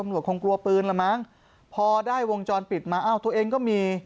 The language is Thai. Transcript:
แล้วคิดว่าโอ้